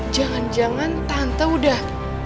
jangan jangan tante udah